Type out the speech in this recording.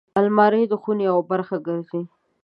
الماري د خونې یوه برخه ګرځي